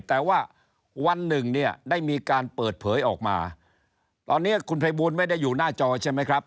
แต่ว่าวันหนึ่งเนี่ยได้มีการเปิดเผยออกมาตอนนี้คุณภัยบูลไม่ได้อยู่หน้าจอใช่ไหมครับ